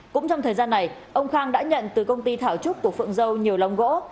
cũng trong thời gian này ông khang đã nhận từ công ty thảo trúc của phượng dâu nhiều lòng gỗ